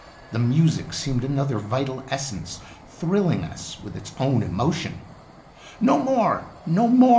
The music seemed another vital essence thrilling us with its own emotion. "No more, no more!"